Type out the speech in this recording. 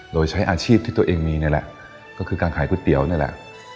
โดยใช้อาชีพที่ตัวเองมีนี่แหละก็คือการขายก๋วยเตี๋ยวนี่แหละ